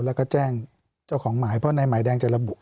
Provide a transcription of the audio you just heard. แล้วก็แจ้งเจ้าของหมายเพราะในหมายแดงจะระบุ